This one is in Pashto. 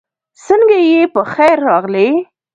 سنګه یی پخير راغلې